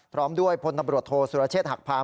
พร้อมด้วยพลตำรวจโทษสุรเชษฐหักพาม